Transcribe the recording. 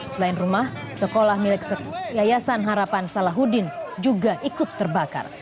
selain rumah sekolah milik yayasan harapan salahuddin juga ikut terbakar